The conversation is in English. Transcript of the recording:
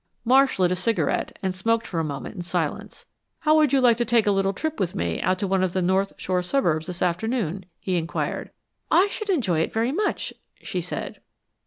Marsh lit a cigarette and smoked for a moment in silence. "How would you like to take a little trip with me out to one of the North Shore suburbs this afternoon?" he inquired. "I should enjoy it very much," she said.